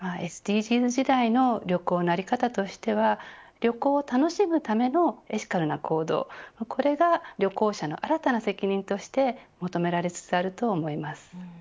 ＳＤＧｓ時代の旅行の在り方としては旅行を楽しむためのエシカルな行動旅行者の新たな責任として求められつつあると思います。